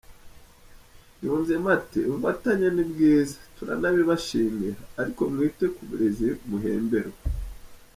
Yunzemo ati “Ubufatanye ni bwiza, turanabibashimira, ariko mwite ku burezi muhemberwa.